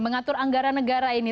mengatur anggaran negara ini